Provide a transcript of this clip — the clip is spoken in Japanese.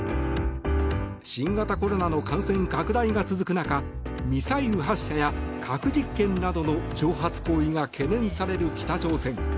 新型コロナの感染拡大が続く中ミサイル発射や核実験などの挑発行為が懸念される北朝鮮。